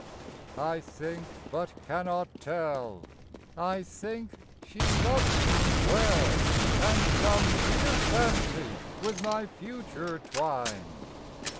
I think, but cannot tell, I think she loved me well, And some dear fancy with my future twined.